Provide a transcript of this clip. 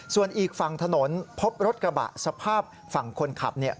ส่วนอีกฝั่งถนนพบรถกระบะสภาพฝั่งคนขับเนี่ย